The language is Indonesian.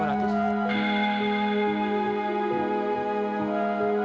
bapak ya ya